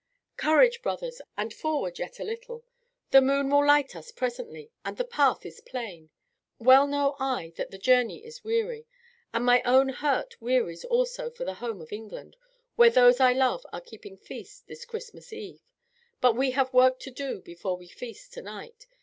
"Courage, brothers, and forward yet a little! The moon will light us presently, and the path is plain. Well know I that the journey is weary; and my own heart wearies also for the home in England, where those I love are keeping feast this Christmas eve. But we have work to do before we feast to night.